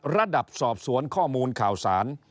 ระดับสอบสวนข้อมูลข่าวสาร